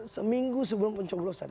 seminggu sebelum pencoblosan